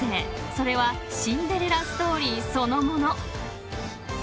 ［それはシンデレラストーリーそのもの］